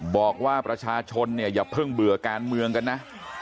บอกว่าประชาชนเนี่ยอย่าเพิ่งเบื่อการเมืองกันนะ